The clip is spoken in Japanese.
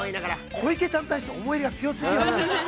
◆小池ちゃんに対して思い入れが強過ぎる。